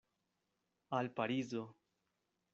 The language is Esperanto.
Al Parizo.